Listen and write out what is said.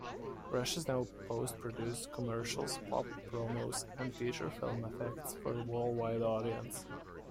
Rushes now post-produces commercials, pop-promos and feature film effects for worldwide audiences.